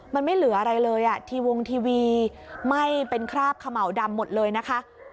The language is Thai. มันไม่เหลืออะไรเลยอ่ะทีวงทีวีไหม้เป็นคราบเขม่าวดำหมดเลยนะคะ